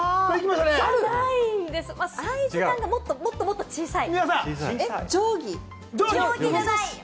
サイズ感がもっともっと小さいです。